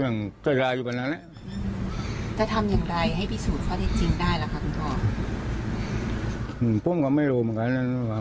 ผมก็ไม่รู้เหมือนกันนะว่า